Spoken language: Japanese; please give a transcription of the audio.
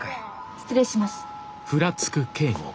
失礼します。